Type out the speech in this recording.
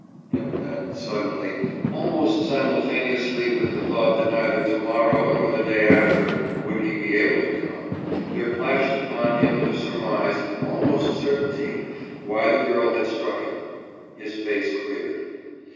« And then, suddenly, almost simultaneously with the thought that neither tomorrow nor the day after would he be able to come, there flashed upon him the surmise, almost certainty, why the girl had struck him. His face cleared.